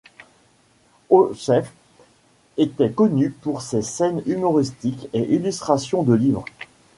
Högfeldt était connu pour ses scènes humoristiques et illustrations de livres.